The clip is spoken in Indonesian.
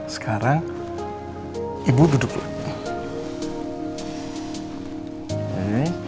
sekarang ibu duduk dulu